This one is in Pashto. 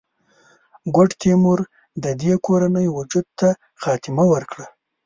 ګوډ تیمور د دې کورنۍ وجود ته خاتمه ورکړه.